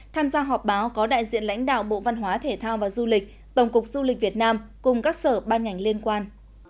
tham gia họp báo có đại diện lãnh đạo bộ văn hóa thể thao và du lịch tổng cục du lịch việt nam cùng các sở ban ngành liên quan